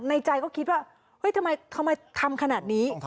ในใจเขาคิดว่าทำไมทำขนาดนี้